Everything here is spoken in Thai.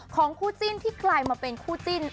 ของคู่จิ้นที่กลายมาเป็นคู่จิ้น